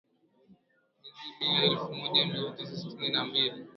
Mwezi Mei elfu moja mia tisa sitini na mbili